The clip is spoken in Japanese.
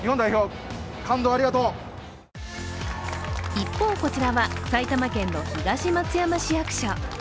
一方、こちらは埼玉県の東松山市役所。